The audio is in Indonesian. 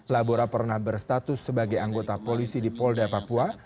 labora pernah berstatus sebagai anggota polisi di polda papua